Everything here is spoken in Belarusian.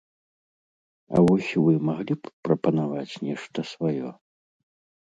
А вось вы маглі б прапанаваць нешта сваё?